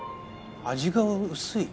味が薄い